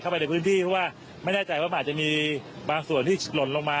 ไปในพื้นที่เพราะว่าไม่แน่ใจว่ามันอาจจะมีบางส่วนที่หล่นลงมา